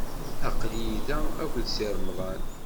Aql-iyi da akked Si Remḍan.